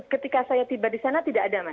ketika saya tiba di sana tidak ada mas